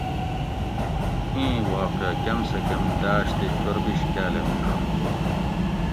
ایں واقعہ کۤم سہۤ کۤم داۤش تے چوربیش کاۤلہ میڛ ھوت